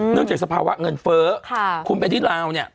จากสภาวะเงินเฟ้อคุณไปที่ลาวเนี่ย